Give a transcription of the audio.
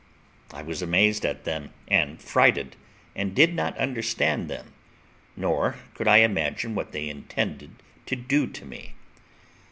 I was amazed at them, and frighted, and did not understand them, nor could I imagine what they intended to do to me.